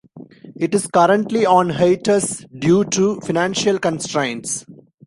It is currently on hiatus due to financial constraints.